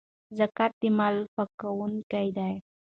زکات د مال پاکونکی دی.